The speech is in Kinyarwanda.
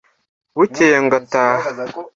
bukeye ngo taha